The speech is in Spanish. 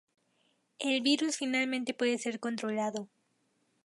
El virus finalmente puede ser controlado.